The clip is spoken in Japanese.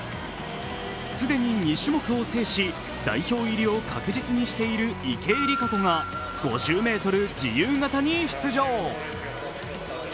既に２種目を制し代表入りを確実にしている池江璃花子が５０ｍ自由形に出場。